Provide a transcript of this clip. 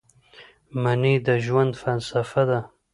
مني د ژوند فلسفه ده